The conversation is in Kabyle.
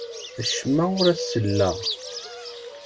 Acemma ur as-selleɣ.